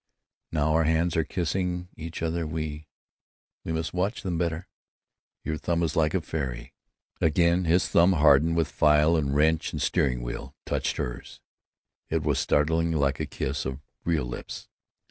Now our hands are kissing each other—we—we must watch them better.... Your thumb is like a fairy." Again his thumb, hardened with file and wrench and steering wheel, touched hers. It was startlingly like a kiss of real lips.